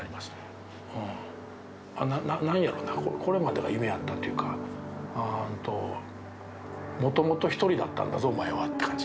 うん何やろなこれまでが夢やったっていうかうんと「もともと一人だったんだぞお前は」って感じ。